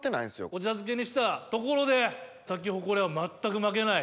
お茶漬けにしたところでサキホコレは全く負けない。